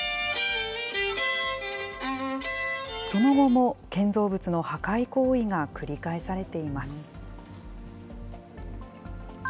その後も建造物の破壊行為が繰り返されています。